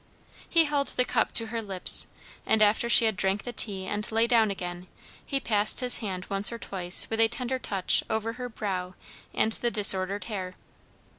He held the cup to her lips, and after she had drank the tea and lay down again, he passed his hand once or twice with a tender touch over her brow and the disordered hair.